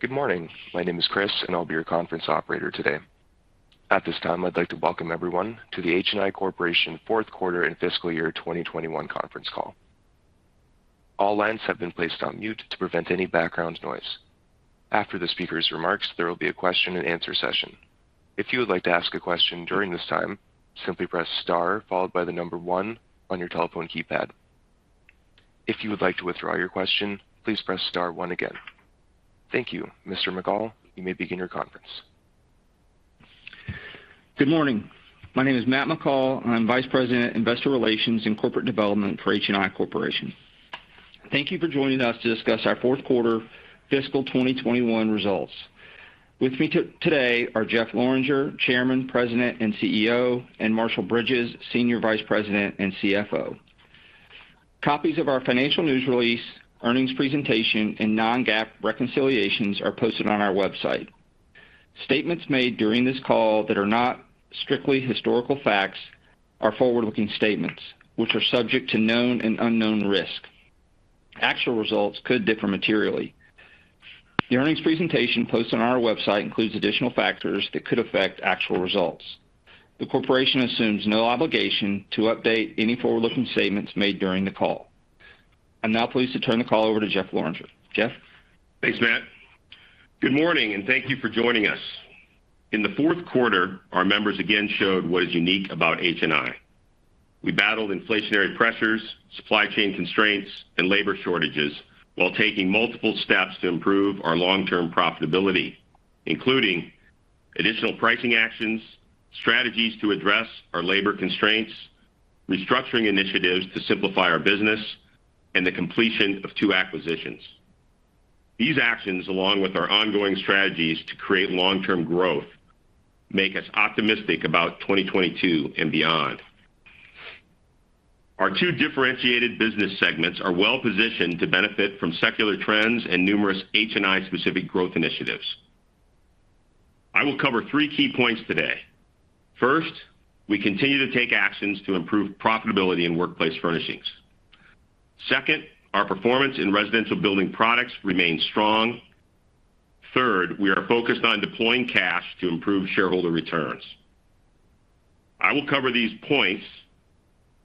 Good morning. My name is Chris, and I'll be your conference operator today. At this time, I'd like to welcome everyone to the HNI Corporation fourth quarter and fiscal year 2021 conference call. All lines have been placed on mute to prevent any background noise. After the speaker's remarks, there will be a question-and-answer session. If you would like to ask a question during this time, simply press star followed by the number one on your telephone keypad. If you would like to withdraw your question, please press star one again. Thank you. Mr. McCall, you may begin your conference. Good morning. My name is Matt McCall, and I'm Vice President, Investor Relations and Corporate Development for HNI Corporation. Thank you for joining us to discuss our fourth quarter fiscal 2021 results. With me today are Jeff Lorenger, Chairman, President, and CEO, and Marshall Bridges, Senior Vice President and CFO. Copies of our financial news release, earnings presentation, and non-GAAP reconciliations are posted on our website. Statements made during this call that are not strictly historical facts are forward-looking statements, which are subject to known and unknown risks. Actual results could differ materially. The earnings presentation posted on our website includes additional factors that could affect actual results. The corporation assumes no obligation to update any forward-looking statements made during the call. I'm now pleased to turn the call over to Jeff Lorenger. Jeff? Thanks, Matt. Good morning, and thank you for joining us. In the fourth quarter, our members again showed what is unique about HNI. We battled inflationary pressures, supply chain constraints, and labor shortages while taking multiple steps to improve our long-term profitability, including additional pricing actions, strategies to address our labor constraints, restructuring initiatives to simplify our business, and the completion of two acquisitions. These actions, along with our ongoing strategies to create long-term growth, make us optimistic about 2022 and beyond. Our two differentiated business segments are well-positioned to benefit from secular trends and numerous HNI-specific growth initiatives. I will cover three key points today. First, we continue to take actions to improve profitability in Workplace Furnishings. Second, our performance in Residential Building Products remains strong. Third, we are focused on deploying cash to improve shareholder returns. I will cover these points.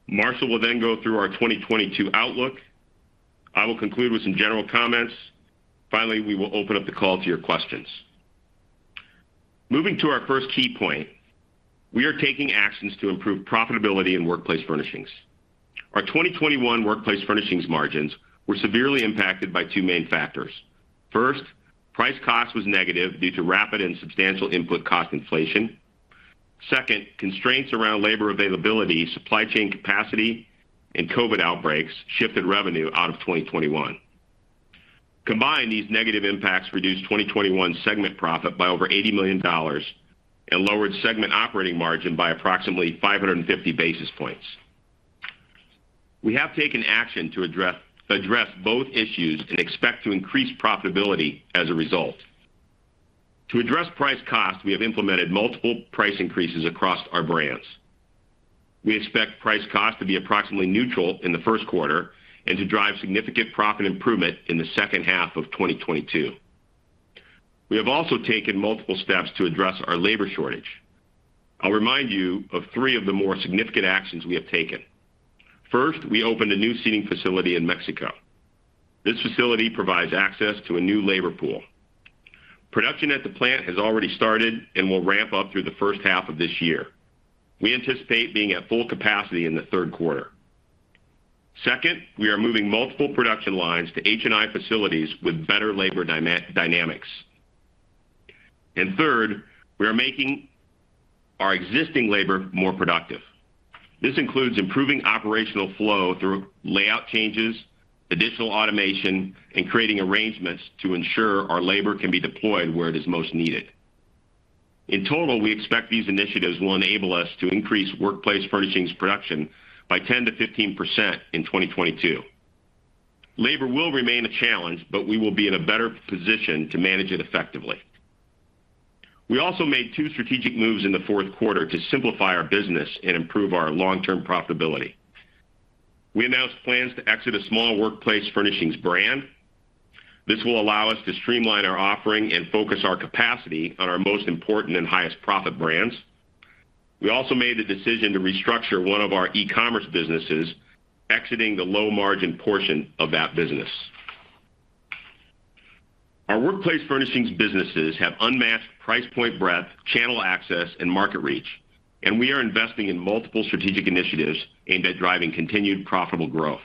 Marshall will then go through our 2022 outlook. I will conclude with some general comments. Finally, we will open up the call to your questions. Moving to our first key point, we are taking actions to improve profitability in Workplace Furnishings. Our 2021 Workplace Furnishings margins were severely impacted by two main factors. First, price cost was negative due to rapid and substantial input cost inflation. Second, constraints around labor availability, supply chain capacity, and COVID outbreaks shifted revenue out of 2021. Combined, these negative impacts reduced 2021 segment profit by over $80 million and lowered segment operating margin by approximately 550 basis points. We have taken action to address both issues and expect to increase profitability as a result. To address price cost, we have implemented multiple price increases across our brands. We expect price cost to be approximately neutral in the first quarter and to drive significant profit improvement in the second half of 2022. We have also taken multiple steps to address our labor shortage. I'll remind you of three of the more significant actions we have taken. First, we opened a new seating facility in Mexico. This facility provides access to a new labor pool. Production at the plant has already started and will ramp up through the first half of this year. We anticipate being at full capacity in the third quarter. Second, we are moving multiple production lines to HNI facilities with better labor dynamics. Third, we are making our existing labor more productive. This includes improving operational flow through layout changes, additional automation, and creating arrangements to ensure our labor can be deployed where it is most needed. In total, we expect these initiatives will enable us to increase Workplace Furnishings production by 10%-15% in 2022. Labor will remain a challenge, but we will be in a better position to manage it effectively. We also made two strategic moves in the fourth quarter to simplify our business and improve our long-term profitability. We announced plans to exit a small Workplace Furnishings brand. This will allow us to streamline our offering and focus our capacity on our most important and highest profit brands. We also made the decision to restructure one of our e-commerce businesses, exiting the low-margin portion of that business. Our Workplace Furnishings businesses have unmatched price point breadth, channel access, and market reach, and we are investing in multiple strategic initiatives aimed at driving continued profitable growth.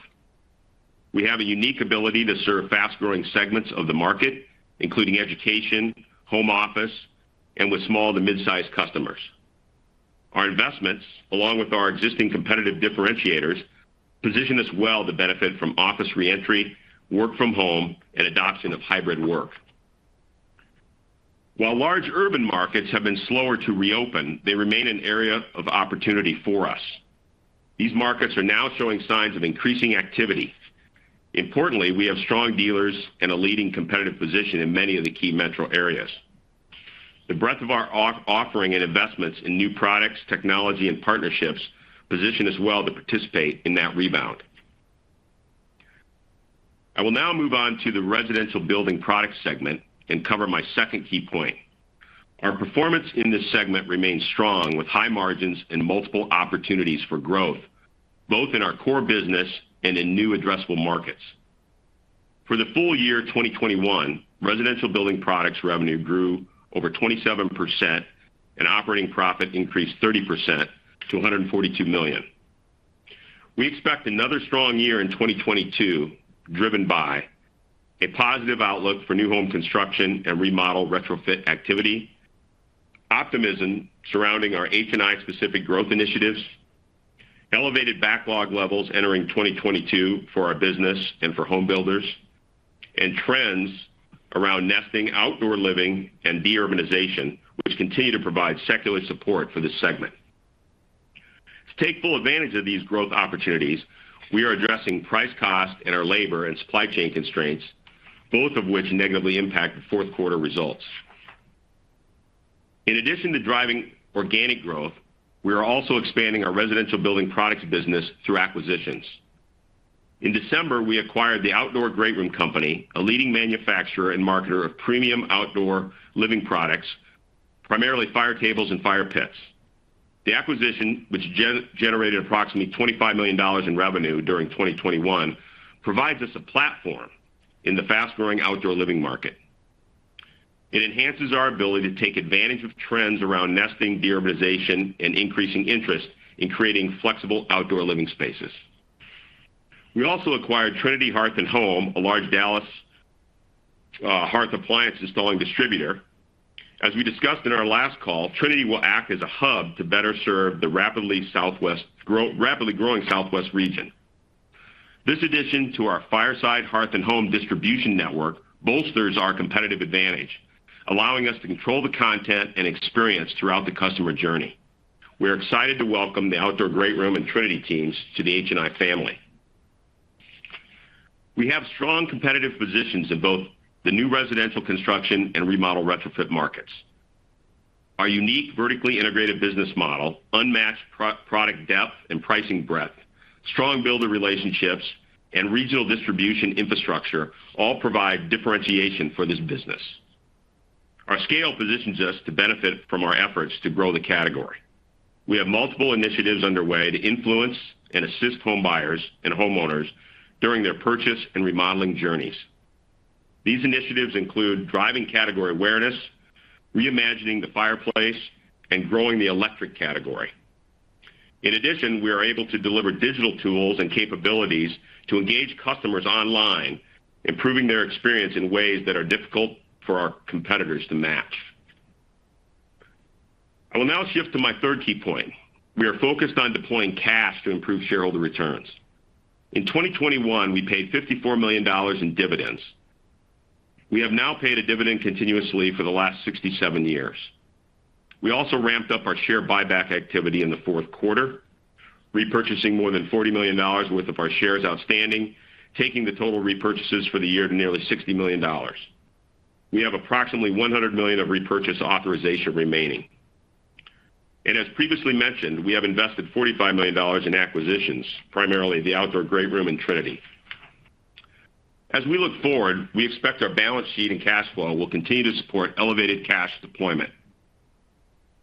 We have a unique ability to serve fast-growing segments of the market, including education, home office, and with small to mid-sized customers. Our investments, along with our existing competitive differentiators, position us well to benefit from office re-entry, work from home, and adoption of hybrid work. While large urban markets have been slower to reopen, they remain an area of opportunity for us. These markets are now showing signs of increasing activity. Importantly, we have strong dealers and a leading competitive position in many of the key metro areas. The breadth of our offering and investments in new products, technology, and partnerships position us well to participate in that rebound. I will now move on to the Residential Building Products segment and cover my second key point. Our performance in this segment remains strong, with high margins and multiple opportunities for growth, both in our core business and in new addressable markets. For the full year 2021, Residential Building Products revenue grew over 27% and operating profit increased 30% to $142 million. We expect another strong year in 2022, driven by a positive outlook for new home construction and remodel retrofit activity, optimism surrounding our HNI-specific growth initiatives, elevated backlog levels entering 2022 for our business and for home builders, and trends around nesting, outdoor living, and de-urbanization, which continue to provide secular support for this segment. To take full advantage of these growth opportunities, we are addressing price cost and our labor and supply chain constraints, both of which negatively impact the fourth quarter results. In addition to driving organic growth, we are also expanding our Residential Building Products business through acquisitions. In December, we acquired The Outdoor GreatRoom Company, a leading manufacturer and marketer of premium outdoor living products, primarily fire tables and fire pits. The acquisition, which generated approximately $25 million in revenue during 2021, provides us a platform in the fast-growing outdoor living market. It enhances our ability to take advantage of trends around nesting, de-urbanization, and increasing interest in creating flexible outdoor living spaces. We also acquired Trinity Hearth & Home, a large Dallas hearth appliance installing distributor. As we discussed in our last call, Trinity will act as a hub to better serve the rapidly growing southwest region. This addition to our Fireside Hearth & Home distribution network bolsters our competitive advantage, allowing us to control the content and experience throughout the customer journey. We're excited to welcome the Outdoor GreatRoom and Trinity teams to the HNI family. We have strong competitive positions in both the new residential construction and remodel retrofit markets. Our unique vertically integrated business model, unmatched pro-product depth and pricing breadth, strong builder relationships, and regional distribution infrastructure all provide differentiation for this business. Our scale positions us to benefit from our efforts to grow the category. We have multiple initiatives underway to influence and assist home buyers and homeowners during their purchase and remodeling journeys. These initiatives include driving category awareness, reimagining the fireplace, and growing the electric category. In addition, we are able to deliver digital tools and capabilities to engage customers online, improving their experience in ways that are difficult for our competitors to match. I will now shift to my third key point. We are focused on deploying cash to improve shareholder returns. In 2021, we paid $54 million in dividends. We have now paid a dividend continuously for the last 67 years. We also ramped up our share buyback activity in the fourth quarter, repurchasing more than $40 million worth of our shares outstanding, taking the total repurchases for the year to nearly $60 million. We have approximately $100 million of repurchase authorization remaining. As previously mentioned, we have invested $45 million in acquisitions, primarily The Outdoor GreatRoom Company and Trinity Hearth & Home. As we look forward, we expect our balance sheet and cash flow will continue to support elevated cash deployment.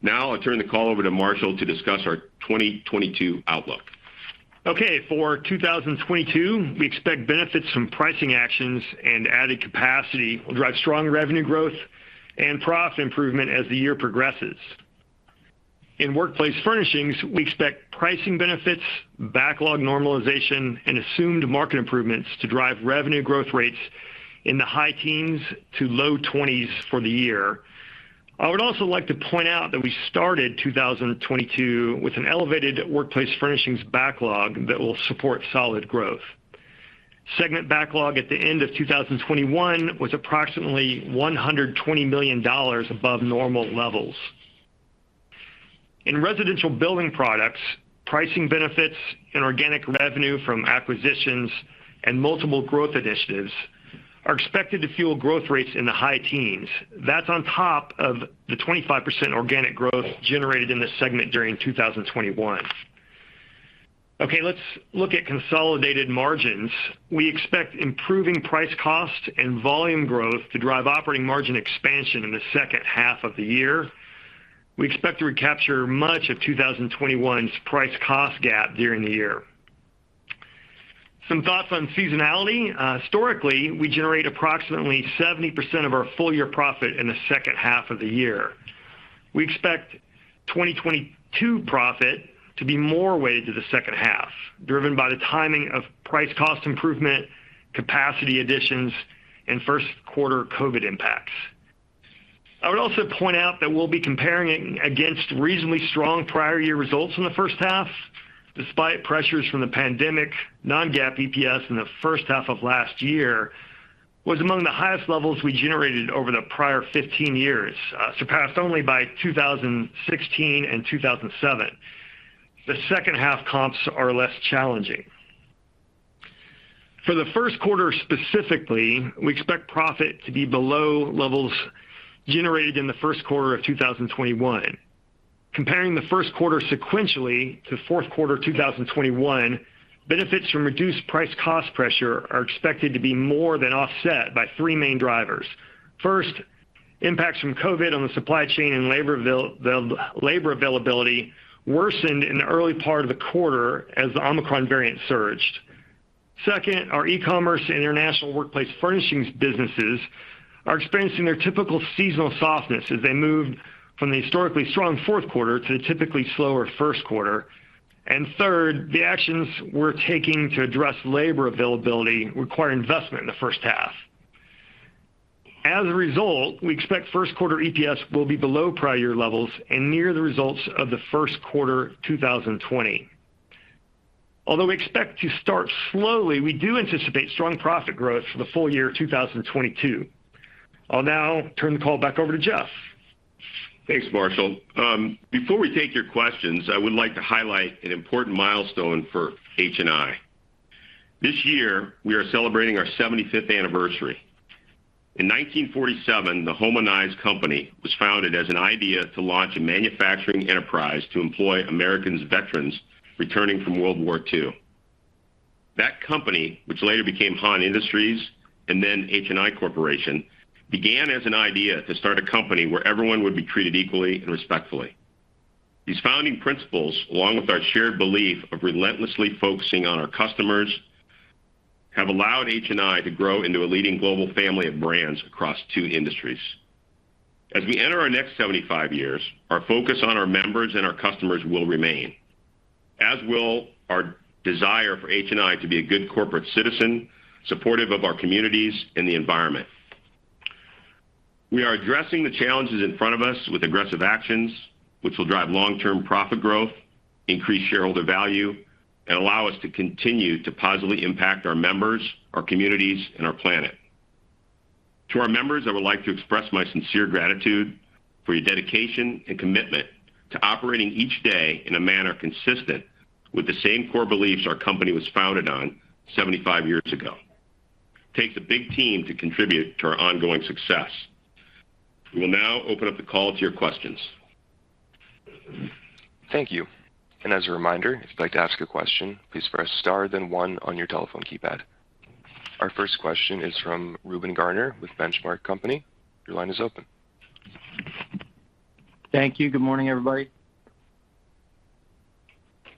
Now I turn the call over to Marshall to discuss our 2022 outlook. Okay. For 2022, we expect benefits from pricing actions and added capacity will drive strong revenue growth and profit improvement as the year progresses. In Workplace Furnishings, we expect pricing benefits, backlog normalization, and assumed market improvements to drive revenue growth rates in the high teens to low twenties for the year. I would also like to point out that we started 2022 with an elevated Workplace Furnishings backlog that will support solid growth. Segment backlog at the end of 2021 was approximately $120 million above normal levels. In Residential Building Products, pricing benefits and organic revenue from acquisitions and multiple growth initiatives are expected to fuel growth rates in the high teens. That's on top of the 25% organic growth generated in this segment during 2021. Okay, let's look at consolidated margins. We expect improving price cost and volume growth to drive operating margin expansion in the second half of the year. We expect to recapture much of 2021's price cost gap during the year. Some thoughts on seasonality. Historically, we generate approximately 70% of our full year profit in the second half of the year. We expect 2022 profit to be more weighted to the second half, driven by the timing of price cost improvement, capacity additions, and first quarter COVID impacts. I would also point out that we'll be comparing it against reasonably strong prior year results in the first half. Despite pressures from the pandemic, non-GAAP EPS in the first half of last year was among the highest levels we generated over the prior 15 years, surpassed only by 2016 and 2007. The second half comps are less challenging. For the first quarter specifically, we expect profit to be below levels generated in the first quarter of 2021. Comparing the first quarter sequentially to fourth quarter 2021, benefits from reduced price cost pressure are expected to be more than offset by three main drivers. First, impacts from COVID on the supply chain and labor availability worsened in the early part of the quarter as the Omicron variant surged. Second, our e-commerce and international Workplace Furnishings businesses are experiencing their typical seasonal softness as they move from the historically strong fourth quarter to the typically slower first quarter. Third, the actions we're taking to address labor availability require investment in the first half. As a result, we expect first quarter EPS will be below prior year levels and near the results of the first quarter 2020. Although we expect to start slowly, we do anticipate strong profit growth for the full year 2022. I'll now turn the call back over to Jeff. Thanks, Marshall. Before we take your questions, I would like to highlight an important milestone for HNI. This year, we are celebrating our 75th anniversary. In 1947, the Home-O-Nize Co. was founded as an idea to launch a manufacturing enterprise to employ American veterans returning from World War II. That company, which later became HON Industries and then HNI Corporation, began as an idea to start a company where everyone would be treated equally and respectfully. These founding principles, along with our shared belief of relentlessly focusing on our customers, have allowed HNI to grow into a leading global family of brands across two industries. As we enter our next 75 years, our focus on our members and our customers will remain, as will our desire for HNI to be a good corporate citizen, supportive of our communities and the environment. We are addressing the challenges in front of us with aggressive actions, which will drive long-term profit growth, increase shareholder value, and allow us to continue to positively impact our members, our communities, and our planet. To our members, I would like to express my sincere gratitude for your dedication and commitment to operating each day in a manner consistent with the same core beliefs our company was founded on 75 years ago. It takes a big team to contribute to our ongoing success. We will now open up the call to your questions. Thank you. As a reminder, if you'd like to ask a question, please press star then one on your telephone keypad. Our first question is from Reuben Garner with Benchmark Company. Your line is open. Thank you. Good morning, everybody.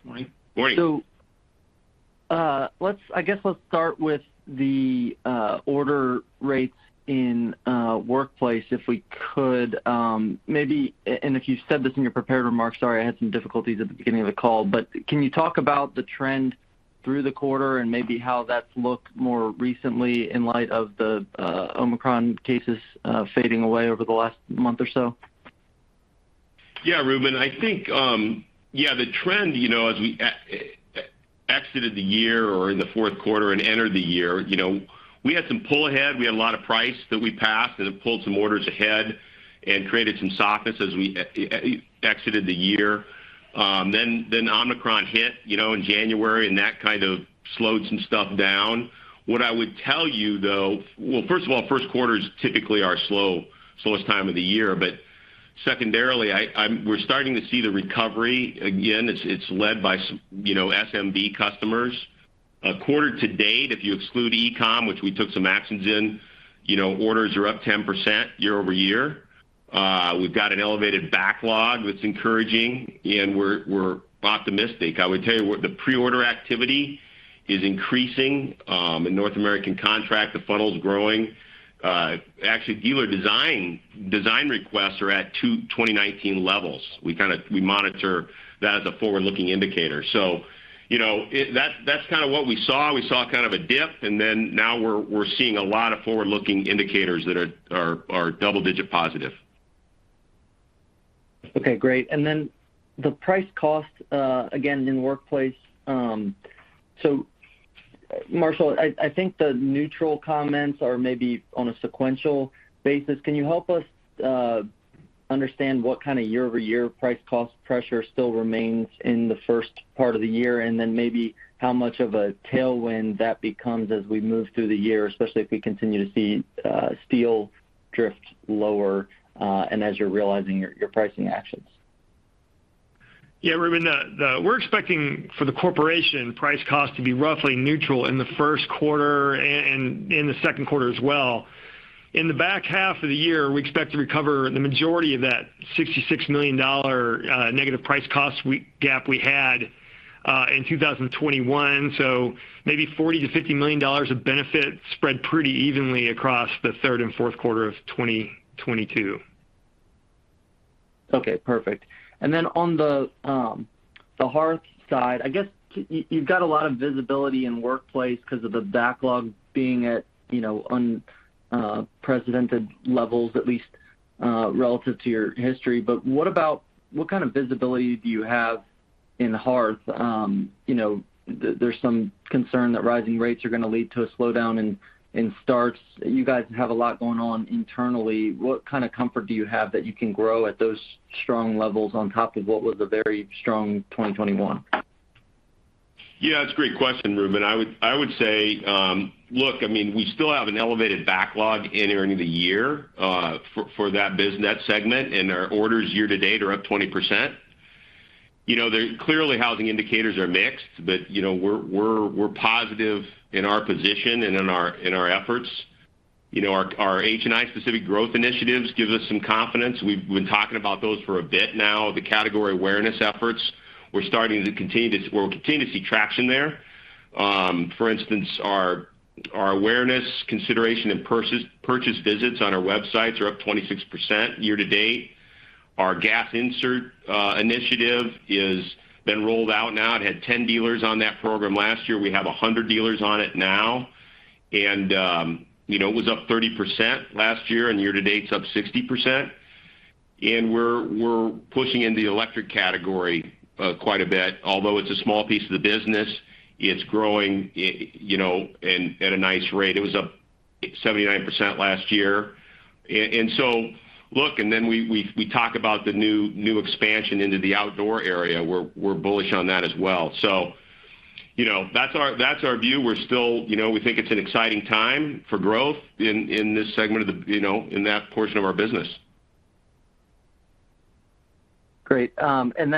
Morning. Morning. I guess let's start with the order rates in Workplace, if we could, maybe and if you said this in your prepared remarks, sorry, I had some difficulties at the beginning of the call. Can you talk about the trend through the quarter and maybe how that's looked more recently in light of the Omicron cases fading away over the last month or so? Yeah, Reuben. I think, yeah, the trend, you know, as we exited the year or in the fourth quarter and entered the year, you know, we had some pull ahead. We had a lot of price that we passed, and it pulled some orders ahead and created some softness as we exited the year. Then Omicron hit, you know, in January, and that kind of slowed some stuff down. What I would tell you, though. Well, first of all, first quarters typically are slow, slowest time of the year. But secondarily, we're starting to see the recovery. Again, it's led by SMB customers. Quarter to date, if you exclude e-com, which we took some actions in, you know, orders are up 10% year-over-year. We've got an elevated backlog that's encouraging, and we're optimistic. I would tell you that the pre-order activity is increasing. In North American contract, the funnel's growing. Actually, dealer design requests are at Q2 2019 levels. We monitor that as a forward-looking indicator. You know, that's kinda what we saw. We saw kind of a dip, and then now we're seeing a lot of forward-looking indicators that are double-digit positive. Okay, great. Then the price cost, again in Workplace. So Marshall, I think the neutral comments are maybe on a sequential basis. Can you help us understand what kind of year-over-year price cost pressure still remains in the first part of the year? Then maybe how much of a tailwind that becomes as we move through the year, especially if we continue to see steel drift lower, and as you're realizing your pricing actions? Yeah, Reuben, we're expecting for the corporation price cost to be roughly neutral in the first quarter and in the second quarter as well. In the back half of the year, we expect to recover the majority of that $66 million negative price cost gap we had in 2021. Maybe $40 million-$50 million of benefit spread pretty evenly across the third and fourth quarter of 2022. Okay, perfect. On the hearth side, I guess you've got a lot of visibility in Workplace 'cause of the backlog being at, you know, unprecedented levels, at least relative to your history. What about what kind of visibility do you have in hearth? You know, there's some concern that rising rates are gonna lead to a slowdown in starts. You guys have a lot going on internally. What kind of comfort do you have that you can grow at those strong levels on top of what was a very strong 2021? Yeah, that's a great question, Reuben. I would say, look, I mean, we still have an elevated backlog entering the year for that business segment, and our orders year to date are up 20%. You know, they're clearly housing indicators are mixed, but, you know, we're positive in our position and in our efforts. You know, our HNI specific growth initiatives give us some confidence. We've been talking about those for a bit now. The category awareness efforts, or we'll continue to see traction there. For instance, our awareness consideration and purchase visits on our websites are up 26% year to date. Our gas insert initiative has been rolled out now. It had 10 dealers on that program last year. We have 100 dealers on it now. You know, it was up 30% last year, and year to date, it's up 60%. We're pushing in the electric category quite a bit. Although it's a small piece of the business, it's growing at a nice rate. It was up 79% last year. Look, and then we talk about the new expansion into the outdoor area. We're bullish on that as well. You know, that's our view. We're still. You know, we think it's an exciting time for growth in this segment of the, you know, in that portion of our business. Great. Then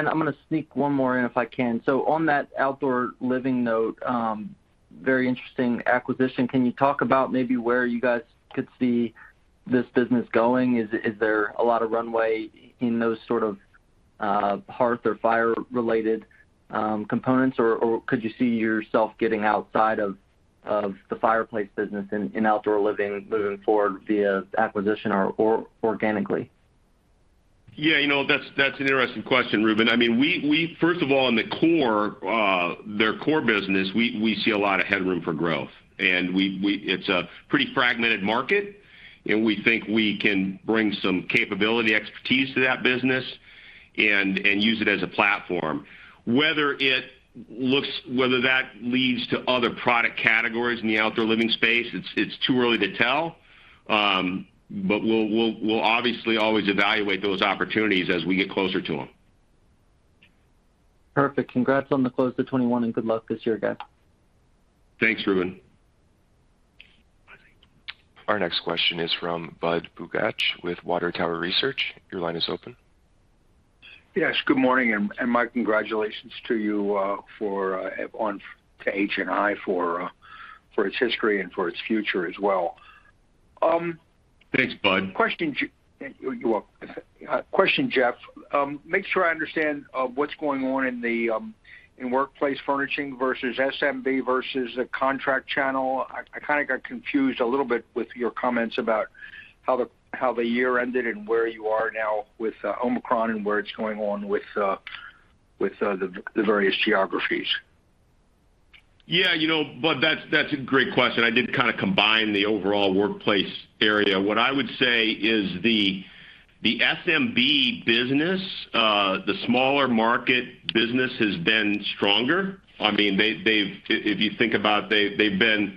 I'm gonna sneak one more in if I can. On that outdoor living note, very interesting acquisition. Can you talk about maybe where you guys could see this business going? Is there a lot of runway in those sort of hearth or fire-related components? Or could you see yourself getting outside of the fireplace business in outdoor living moving forward via acquisition or organically? Yeah, you know, that's an interesting question, Reuben. I mean, we first of all in the core, their core business, we see a lot of headroom for growth. It's a pretty fragmented market, and we think we can bring some capability expertise to that business and use it as a platform. Whether that leads to other product categories in the outdoor living space, it's too early to tell, but we'll obviously always evaluate those opportunities as we get closer to them. Perfect. Congrats on the close to 2021, and good luck this year, guys. Thanks, Reuben. Our next question is from Budd Bugatch with Water Tower Research. Your line is open. Yes, good morning, and my congratulations to you, for its history and for its future as well. Thanks, Budd. You're welcome. Question, Jeff. Make sure I understand what's going on in the Workplace Furnishings versus SMB versus the contract channel. I kinda got confused a little bit with your comments about how the year ended and where you are now with Omicron and where it's going on with the various geographies. Yeah, you know, Budd, that's a great question. I did kinda combine the overall workplace area. What I would say is the SMB business, the smaller market business has been stronger. I mean, if you think about it, they've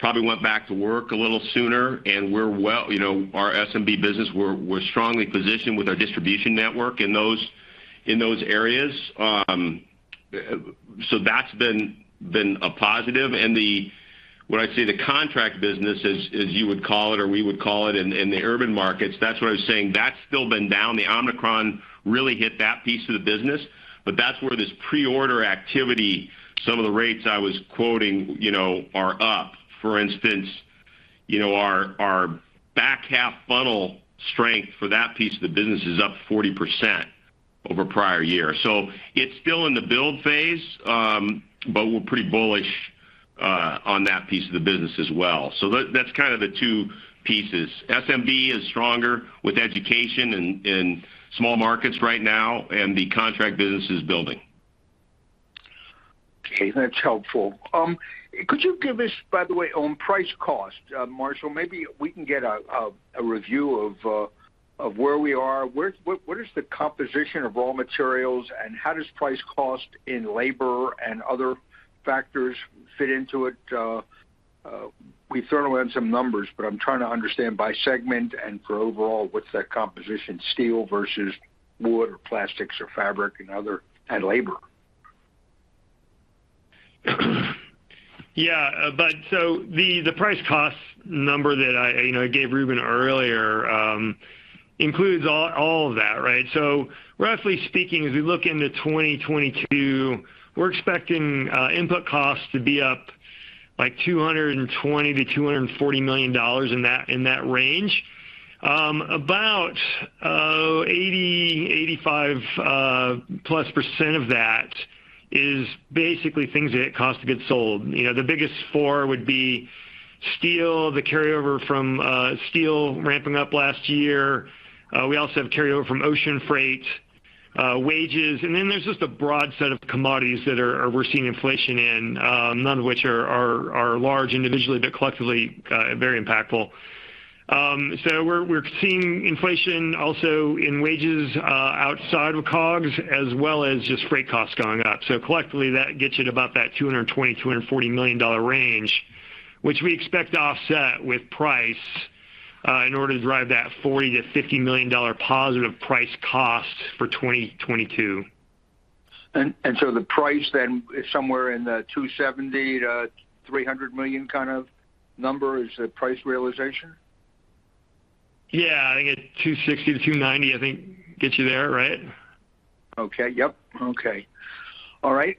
probably gone back to work a little sooner, and we're You know, our SMB business, we're strongly positioned with our distribution network in those areas. So that's been a positive. When I say the contract business, as you would call it or we would call it in the urban markets, that's what I was saying. That's still been down. The Omicron really hit that piece of the business, but that's where this pre-order activity, some of the rates I was quoting, you know, are up. For instance, you know, our back half funnel strength for that piece of the business is up 40% over prior year. It's still in the build phase, but we're pretty bullish on that piece of the business as well. That's kind of the two pieces. SMB is stronger with education in small markets right now, and the contract business is building. Okay, that's helpful. Could you give us, by the way, on price cost, Marshall, maybe we can get a review of where we are. What is the composition of raw materials, and how does price cost in labor and other factors fit into it? We threw around some numbers, but I'm trying to understand by segment and for overall, what's that composition, steel versus wood or plastics or fabric and other, and labor? Yeah, Budd. The price cost number that I, you know, gave Reuben earlier includes all of that, right? Roughly speaking, as we look into 2022, we're expecting input costs to be up like $220 million-$240 million in that range. About 85+% of that is basically things that go into cost of goods sold. You know, the biggest four would be steel, the carryover from steel ramping up last year. We also have carryover from ocean freight, wages, and then there's just a broad set of commodities that we're seeing inflation in, none of which are large individually, but collectively very impactful. We're seeing inflation also in wages outside of COGS as well as just freight costs going up. Collectively, that gets you to about that $220 million-$240 million range. Which we expect to offset with price in order to drive that $40 million-$50 million positive price cost for 2022. The price then is somewhere in the $270 million-$300 million kind of number is the price realization? Yeah, I think it's $260 million-$290 million, I think gets you there, right? Okay. Yep. Okay. All right.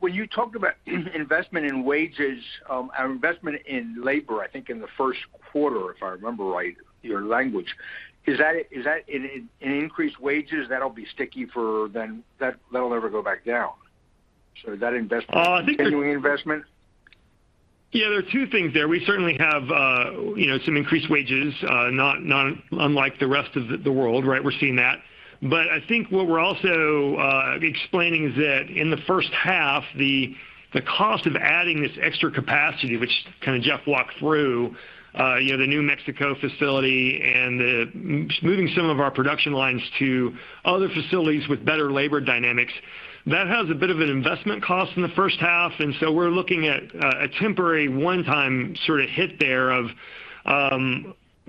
When you talked about investment in wages or investment in labor, I think in the first quarter, if I remember right, your language is that. Is that an increased wages that'll be sticky going forward, that'll never go back down? Is that investment- I think the Continuing investment? Yeah, there are two things there. We certainly have, you know, some increased wages, not unlike the rest of the world, right? We're seeing that. But I think what we're also explaining is that in the first half, the cost of adding this extra capacity, which kind of Jeff walked through, you know, the New Mexico facility and the moving some of our production lines to other facilities with better labor dynamics, that has a bit of an investment cost in the first half. We're looking at a temporary one-time sort of hit there of,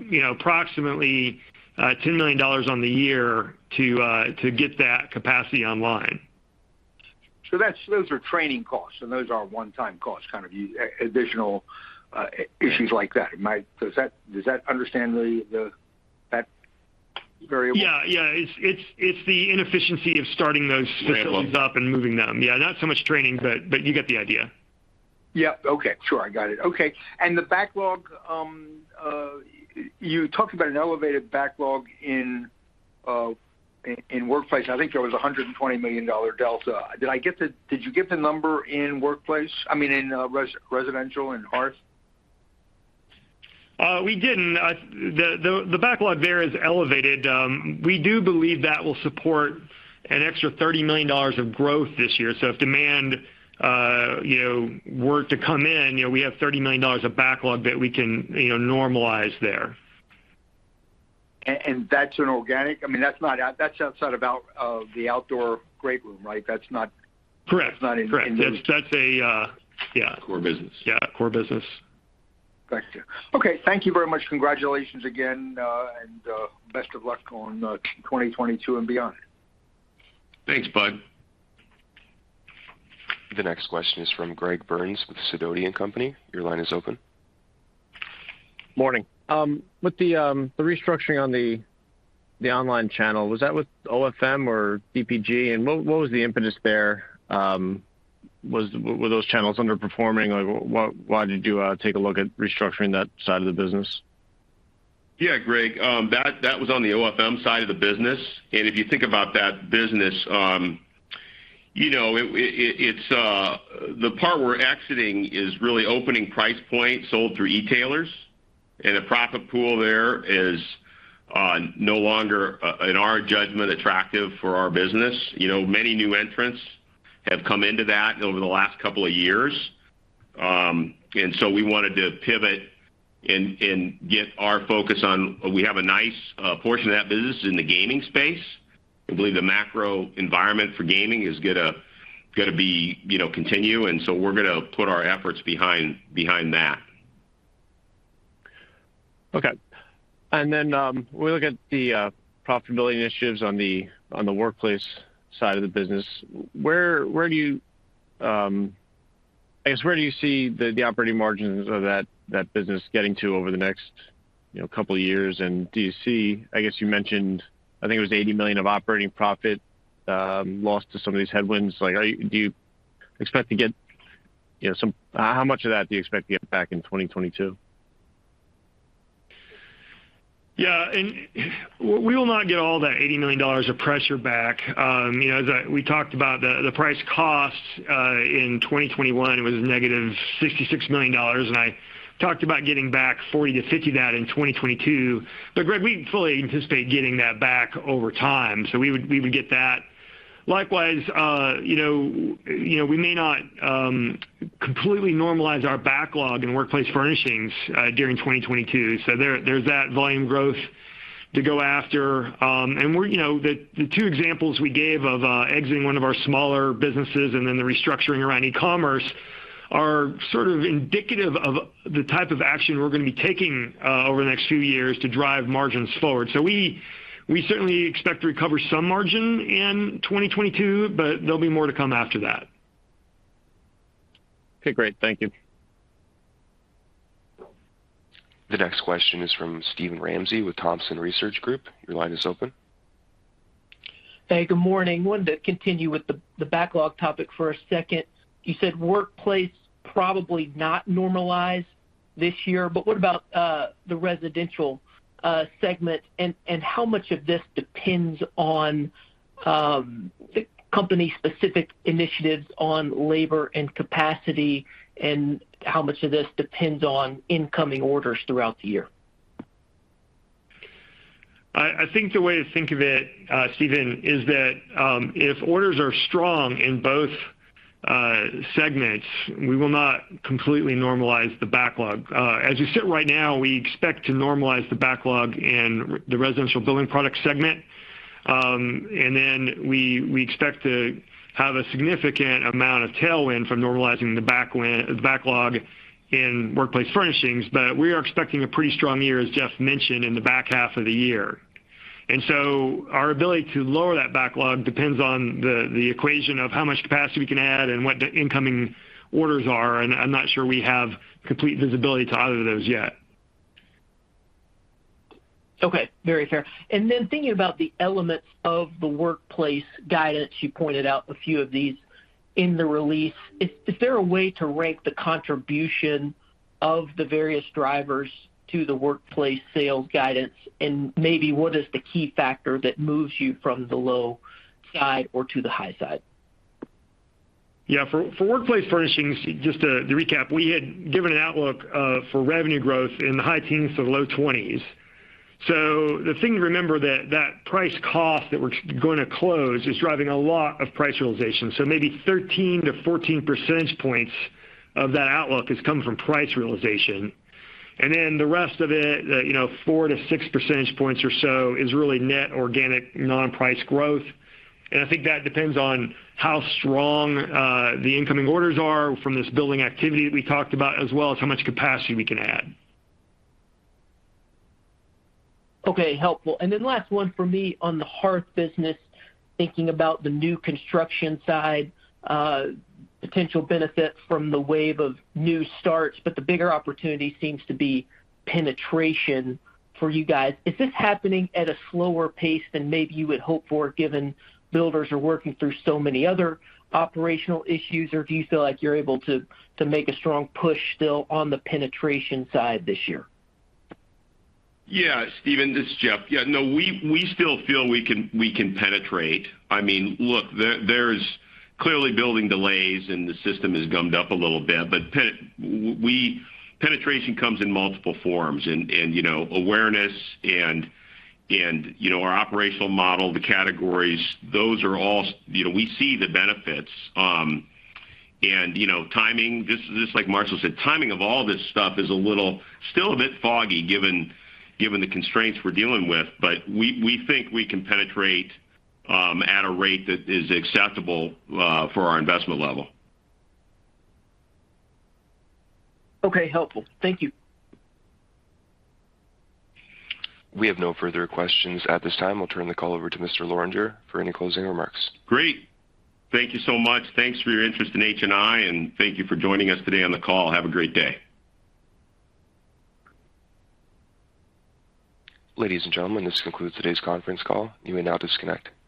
you know, approximately, $10 million on the year to get that capacity online. Those are training costs, and those are one-time costs, kind of additional issues like that. Does that understand the variable? Yeah. Yeah. It's the inefficiency of starting those- Facilities Systems up and moving them. Yeah, not so much training, but you get the idea. Yeah. Okay. Sure. I got it. Okay. You talked about an elevated backlog in workplace. I think there was a $120 million delta. Did you get the number in workplace? I mean, in residential, in hearth? We didn't. The backlog there is elevated. We do believe that will support an extra $30 million of growth this year. If demand, you know, were to come in, you know, we have $30 million of backlog that we can, you know, normalize there. That's inorganic, I mean, that's not outside of the Outdoor GreatRoom Company, right? Correct. That's not in. That's a yeah. Core business. Yeah, core business. Gotcha. Okay. Thank you very much. Congratulations again, and best of luck on 2022 and beyond. Thanks, Budd. The next question is from Greg Burns with Sidoti & Company. Your line is open. Morning. With the restructuring on the online channel, was that with OFM or DPG? What was the impetus there? Were those channels underperforming? Like, why did you take a look at restructuring that side of the business? Yeah, Greg, that was on the OFM side of the business. If you think about that business, you know, it's the part we're exiting is really opening price point sold through e-tailers, and the profit pool there is no longer, in our judgment, attractive for our business. You know, many new entrants have come into that over the last couple of years. We wanted to pivot and get our focus on. We have a nice portion of that business in the gaming space. We believe the macro environment for gaming is gonna be, you know, continue, and so we're gonna put our efforts behind that. Okay. We look at the profitability initiatives on the workplace side of the business. Where do you, I guess, see the operating margins of that business getting to over the next, you know, couple of years? Do you see, I guess you mentioned, I think it was $80 million of operating profit lost to some of these headwinds. Like, how much of that do you expect to get back in 2022? Yeah. We will not get all that $80 million of pressure back. You know, we talked about the price cost in 2021 was -$66 million, and I talked about getting back $40 million-$50 million of that in 2022. Greg, we fully anticipate getting that back over time. We would get that. Likewise, you know, we may not completely normalize our backlog in Workplace Furnishings during 2022. There is that volume growth to go after. You know, the two examples we gave of exiting one of our smaller businesses and then the restructuring around e-commerce are sort of indicative of the type of action we are going to be taking over the next few years to drive margins forward. We certainly expect to recover some margin in 2022, but there'll be more to come after that. Okay, great. Thank you. The next question is from Steven Ramsey with Thompson Research Group. Your line is open. Hey, good morning. I wanted to continue with the backlog topic for a second. You said workplace probably not normalized this year, but what about the residential segment? And how much of this depends on the company-specific initiatives on labor and capacity, and how much of this depends on incoming orders throughout the year? I think the way to think of it, Steven, is that if orders are strong in both segments, we will not completely normalize the backlog. As we sit right now, we expect to normalize the backlog in the Residential Building Products segment. We expect to have a significant amount of tailwind from normalizing the backlog in Workplace Furnishings. We are expecting a pretty strong year, as Jeff mentioned, in the back half of the year. Our ability to lower that backlog depends on the equation of how much capacity we can add and what the incoming orders are, and I'm not sure we have complete visibility to either of those yet. Okay. Very fair. Thinking about the elements of the workplace guidance, you pointed out a few of these in the release. Is there a way to rank the contribution of the various drivers to the workplace sales guidance? Maybe what is the key factor that moves you from the low side or to the high side? Yeah. For Workplace Furnishings, just to recap, we had given an outlook for revenue growth in the high teens to the low 20s. The thing to remember that the price cost that we're going to close is driving a lot of price realization. Maybe 13-14 percentage points of that outlook is coming from price realization. Then the rest of it, you know, 4-6 percentage points or so is really net organic non-price growth. I think that depends on how strong the incoming orders are from this building activity that we talked about, as well as how much capacity we can add. Okay. Helpful. Last one for me on the hearth business, thinking about the new construction side, potential benefit from the wave of new starts, but the bigger opportunity seems to be penetration for you guys. Is this happening at a slower pace than maybe you would hope for given builders are working through so many other operational issues, or do you feel like you're able to make a strong push still on the penetration side this year? Yeah, Steven, this is Jeff. Yeah, no, we still feel we can penetrate. I mean, look, there's clearly building delays, and the system is gummed up a little bit, but penetration comes in multiple forms and, you know, awareness and, you know, our operational model, the categories, those are all. You know, we see the benefits. You know, timing, just like Marshall said, timing of all this stuff is still a little bit foggy given the constraints we're dealing with. But we think we can penetrate at a rate that is acceptable for our investment level. Okay. Helpful. Thank you. We have no further questions at this time. I'll turn the call over to Mr. Lorenger for any closing remarks. Great. Thank you so much. Thanks for your interest in HNI, and thank you for joining us today on the call. Have a great day. Ladies and gentlemen, this concludes today's conference call. You may now disconnect. Thank you.